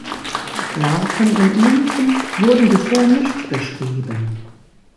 Larven und Nymphen wurden bisher nicht beschrieben.